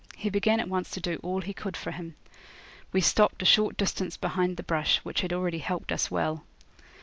He began at once to do all he could for him. We stopped a short distance behind the brush, which had already helped us well.